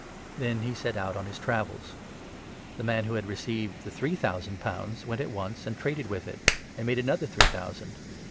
Then he set out on 16 his travels. The man who had received the three thousand pounds went at once and traded with it, and made another three thousand.